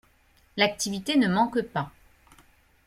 L’activité ne manque pas.